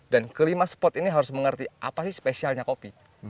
dan kelima spot ini harus mengerti apa sih spesialnya kopi